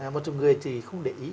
một người thì không để ý